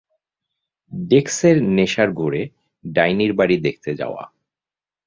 ডেক্সের নেশার ঘোরে ডাইনির বাড়ি দেখতে যাওয়া।